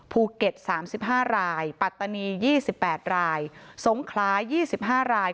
ภูเก็ต๓๕รายปัตตานี๒๘รายสงคลา๒๕ราย